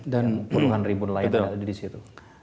dan puluhan ribu nelayan yang ada di situ